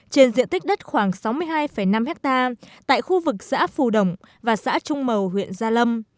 trên diện tích đất khoảng sáu mươi hai năm hectare tại khu vực xã phù đồng và xã trung mầu huyện gia lâm